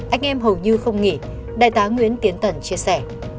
anh em hầu như không nghĩ đại tá nguyễn tiến tẩn chia sẻ